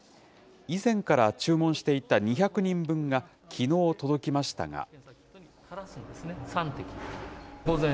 以前から注文していた２００人分がきのう届きましたが。